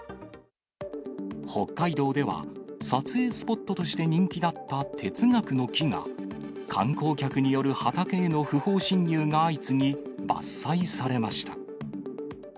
北海道では、撮影スポットとして人気だった哲学の木が、観光客による畑への不法侵入が相次ぎ、伐採されました。